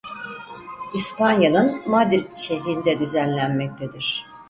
İspanya'nın Madrid şehrinde düzenlenmektedir.